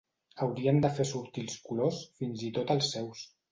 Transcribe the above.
Haurien de fer sortir els colors fins i tot als seus.